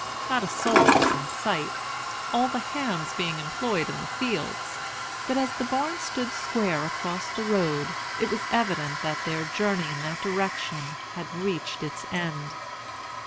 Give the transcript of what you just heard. Not a soul was in sight, all the hands being employed in the fields; but as the barn stood square across the road, it was evident that their journey in that direction had reached its end.